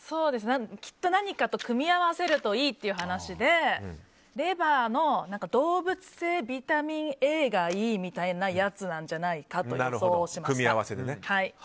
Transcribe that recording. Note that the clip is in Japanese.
きっと何かと組み合わせるといいという話でレバーの動物性ビタミンＡがいいみたいなやつなんじゃないかと予想をしました。